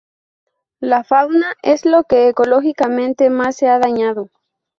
La fauna es lo que ecológicamente más se ha dañado.